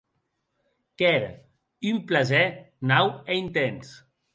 Qu’ère un plaser nau e intens.